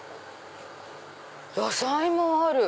野菜もある！